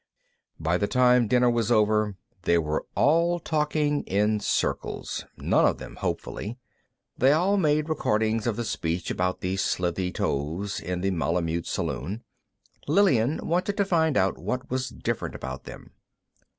By the time dinner was over, they were all talking in circles, none of them hopefully. They all made recordings of the speech about the slithy toves in the Malemute Saloon; Lillian wanted to find out what was different about them.